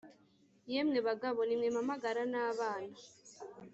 Yemwe bagabo ni mwe mpamagara N abana